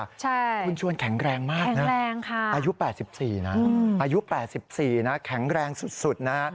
คุณชวนแข็งแรงมากนะอายุ๘๔นะแข็งแรงสุดนะ